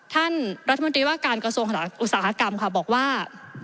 ท่านรัฐมนตรีว่าการกระทรวงอุตสาหกรรมค่ะบอกว่า